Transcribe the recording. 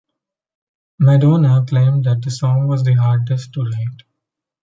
Madonna claimed that the song was the hardest to write.